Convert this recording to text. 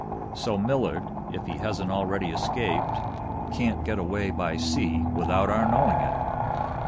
So Millard, if he hasn't already escaped, can't get away by sea without our knowing it.